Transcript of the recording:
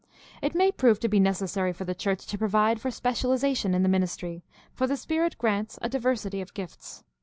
It may prove to be necessary for the church to provide for specialization in the ministry, for the Spirit grants a diversity of gifts.